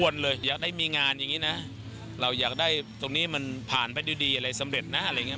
เราอยากได้ตรงนี้มันผ่านไปดีอะไรสำเร็จนะอะไรอย่างนี้